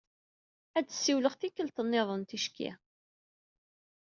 Ad siwleɣ tikkelt-nniḍen ticki.